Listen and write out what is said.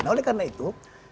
nah oleh karena itu